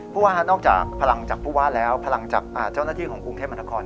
ว่านอกจากพลังจากผู้ว่าแล้วพลังจากเจ้าหน้าที่ของกรุงเทพมหานคร